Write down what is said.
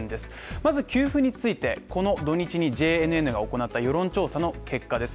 まず給付について、この土日にＪＮＮが行った世論調査の結果です。